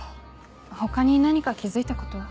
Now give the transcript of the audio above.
他に何か気付いたことは？